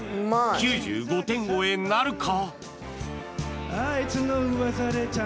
９５点超えなるか？